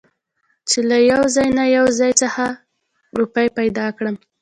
چې له يوه ځاى نه يو ځاى خڅه روپۍ پېدا کړم .